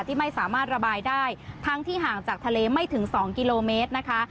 ที่ไม่สามารถระบายได้ทั้งที่ห่างจากทะเลไม่ถึงสองกิโลเมตรนะคะ